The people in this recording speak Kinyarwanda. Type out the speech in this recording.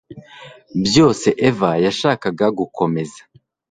Byose Eva yashakaga gukomeza